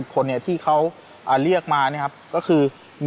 แล้วก็คู่อื่นที่ไม่ได้ดูเนี้ยคนอื่นอื่นเนี้ยจะดูด้วยหรือว่า